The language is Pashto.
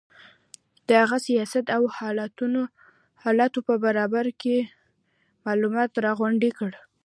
د هغه د سیاست او حالاتو په باره کې معلومات راغونډ کړي.